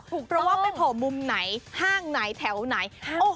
เพราะว่าไปโผล่มุมไหนห้างไหนแถวไหน